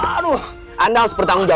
ada nya aja dubai